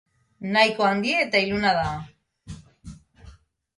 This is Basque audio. Nahiko handi eta iluna da.